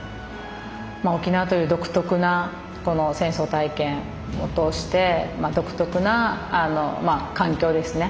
沖縄という独特なこの戦争体験を通して独特な環境ですね。